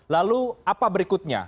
lalu apa berikutnya